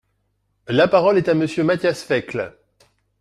La parole est à Monsieur Matthias Fekl.